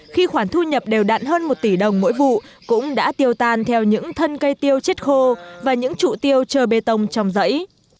khi khoản thu nhập đều đạn hơn một tỷ đồng mỗi vụ cũng đã tiêu tan theo những thân cây tiêu chết khô và những trụ tiêu chờ bê tông trong dãy